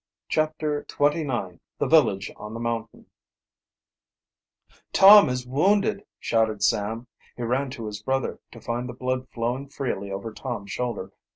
CHAPTER XXIX THE VILLAGE ON THE MOUNTAIN "Tom is wounded!" shouted Sam. He ran to his brother, to find the blood flowing freely over Tom's shoulder.